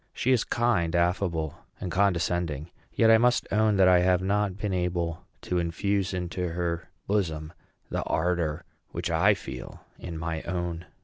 She is kind, affable, and condescending; yet I must own that I have not been able to infuse into her bosom the ardor which I feel in my own.